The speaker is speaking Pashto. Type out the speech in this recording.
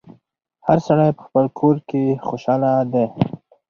هر سړی په خپل کور کي خوشحاله دی